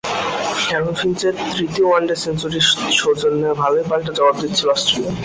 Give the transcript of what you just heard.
Aaron ফিঞ্চের তৃতীয় one day সেঞ্চুরির সৌজন্যে ভালোই পাল্টা জবাব দিচ্ছিল অস্ট্রেলিয়া।